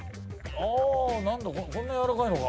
あ何だこんな柔らかいのか。